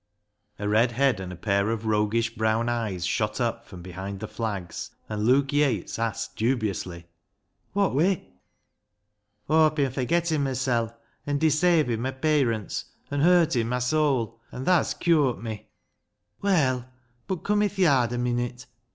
A red head and a pair of roguish bi'own eyes shot up from behind the flags, and Luke Yates asked dubiously —" Wot wi' ?"" AwVe bin forgettin' mysel', an' desavin' my payrunts, an' hurtin' my sowl, an' tha's cur't me." " Well, bud come i' th' yard a minute.